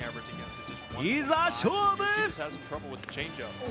いざ勝負！